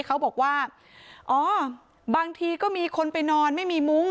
เขาบอกว่าอ๋อบางทีก็มีคนไปนอนไม่มีมุ้ง